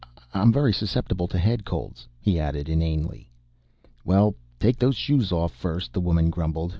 I'm very susceptible to head colds," he added inanely. "Well, take those shoes off, first," the woman grumbled.